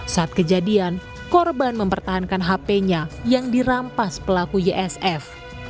saat kejadian korban mempertahankan hp nya yang dirampas pelaku ysf